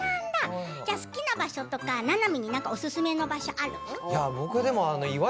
好きな場所とかななみにおすすめの場所ある？